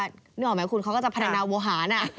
นึกออกไหมคุณเขาก็จะพัฒนาโวหาร